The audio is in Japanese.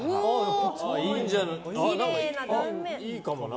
いいかもな。